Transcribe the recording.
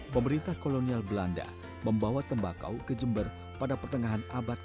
pemerintah kolonial belanda membawa tembakau ke jember pada pertengahan abad ke sembilan belas